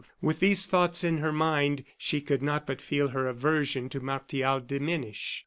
With these thoughts in her mind, she could not but feel her aversion to Martial diminish.